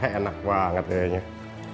ma mau istirahat